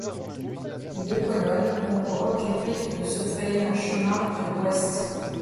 Deux colonnes ont pour objectif de se frayer un chemin à l'ouest.